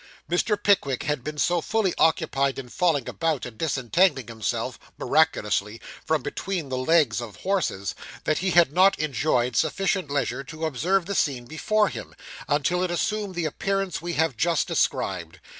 Mr. Pickwick had been so fully occupied in falling about, and disentangling himself, miraculously, from between the legs of horses, that he had not enjoyed sufficient leisure to observe the scene before him, until it assumed the appearance we have just described.